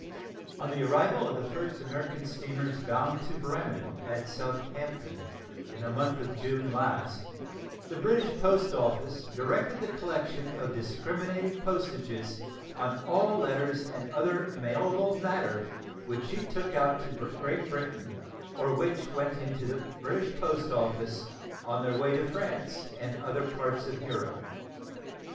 On the arrival of the first of the American steamers bound to Bremen at Southampton, in the month of June last, the British post office directed the collection of discriminating postages on all letters and other mailable matter which she took out to Great Britain or which went into the British post office on their way to France and other parts of Europe.